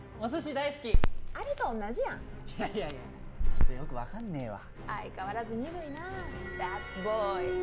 大好きあれと同じやいやいやいやちょっとよく分かんねえわ相変わらず鈍いなあｂａｄｂｏｙ！